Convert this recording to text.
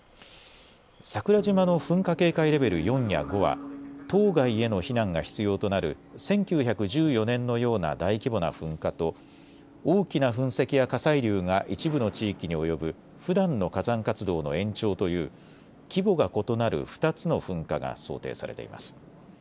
桜島の噴火警戒レベル４や５は島外への避難が必要となる１９１４年のような大規模な噴火と、大きな噴石や火砕流が一部の地域に及ぶふだんの火山活動の延長という規模が異なる２つの噴火が想定されています。